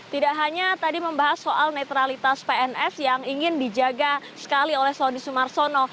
tidak hanya tadi membahas soal netralitas pns yang ingin dijaga sekali oleh sonny sumarsono